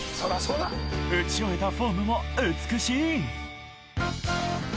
打ち終えたフォームも美しい！